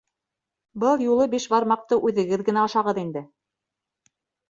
- Был юлы бишбармаҡты үҙегеҙ генә ашағыҙ инде.